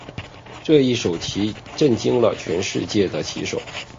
这一手棋震惊了全世界的棋手。